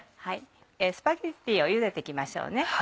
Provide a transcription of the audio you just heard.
スパゲティをゆでて行きましょうね。